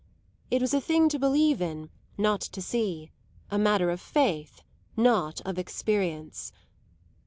It was a thing to believe in, not to see a matter of faith, not of experience.